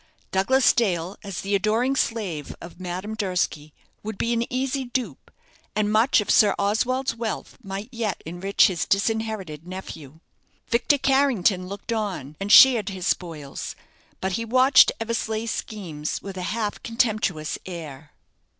Douglas Dale, as the adoring slave of Madame Durski, would be an easy dupe, and much of Sir Oswald's wealth might yet enrich his disinherited nephew. Victor Carrington looked on, and shared his spoils; but he watched Eversleigh's schemes with a half contemptuous air.